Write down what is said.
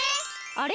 あれ？